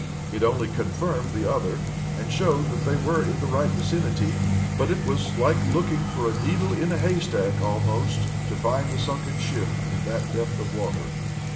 It only confirmed the other, and showed that they were in the right vicinity. But it was like looking for a needle in a haystack, almost, to find the sunken ship in that depth of water.